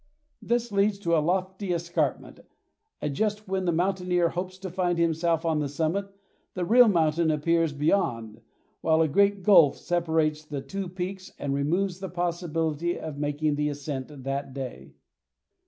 This leads to a lofty escarpment, and just when the mountaineer hopes to find himself on the summit, the real mountain appears beyond, while a great gulf separates the two peaks and removes the possibility of making the ascent that day.